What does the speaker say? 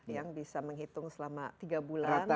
yang bisa menghitung selama tiga bulan